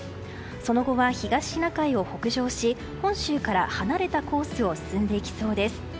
その後は東シナ海を北上し本州から離れたコースを進んでいきそうです。